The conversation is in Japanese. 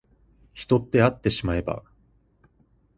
人ってあってしまえば